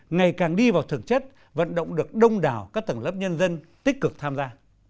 ngày càng đi vào thực chất vận động được đông đảo các tầng lớp nhân dân tích cực tham gia